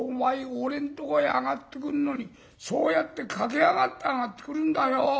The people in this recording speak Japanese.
俺んとこへ上がってくんのにそうやって駆け上がって上がってくるんだよ。